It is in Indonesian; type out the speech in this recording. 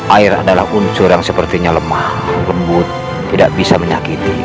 air adalah unsur yang sepertinya lemah lembut tidak bisa menyakiti